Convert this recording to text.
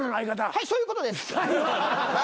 はいそういうことです。